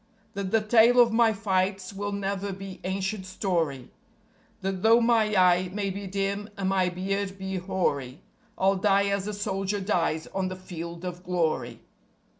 That the tale of my fights will never be ancient story; That though my eye may be dim and my beard be hoary, I'll die as a soldier dies on the Field of Glory.